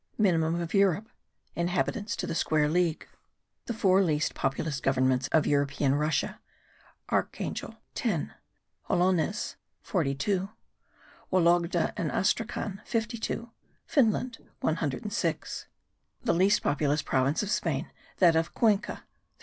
MINIMUM OF EUROPE: INHABITANTS TO THE SQUARE LEAGUE. The four least populous Governments of European Russia: Archangel : 10. Olonez : 42. Wologda and Astracan : 52. Finland : 106. The least populous Province of Spain, that of Cuenca : 311.